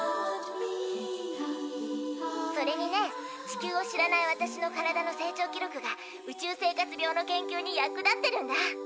それにね地球を知らない私の体の成長記録が宇宙生活病の研究に役立ってるんだ。